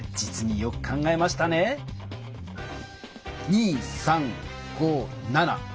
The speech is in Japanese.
２３５７。